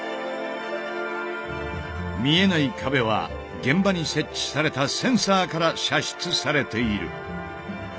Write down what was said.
見えない壁は現場に設置されたセンサーから射出されている。